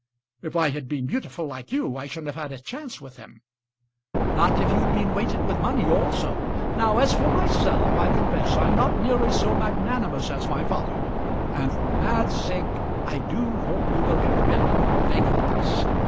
"If I had been beautiful like you, I shouldn't have had a chance with him." "Not if you'd been weighted with money also. Now, as for myself, I confess I'm not nearly so magnanimous as my father, and, for Mad's sake, I do hope you will get rid of your vagaries.